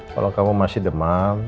kalau kamu masih demam